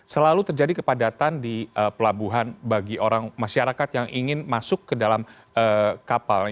selalu terjadi kepadatan di pelabuhan bagi orang masyarakat yang ingin masuk ke dalam kapal